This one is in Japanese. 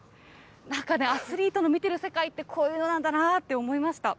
なんかアスリートの見てる世界って、こういうのなんだなあって思いました。